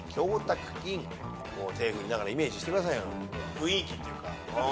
雰囲気っていうか。